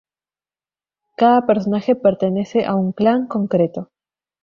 Cada personaje pertenece a un Clan concreto.